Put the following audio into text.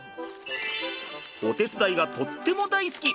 お手伝いがとっても大好き！